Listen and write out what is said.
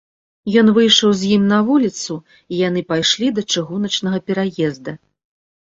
Ён выйшаў з ім на вуліцу, і яны пайшлі да чыгуначнага пераезда.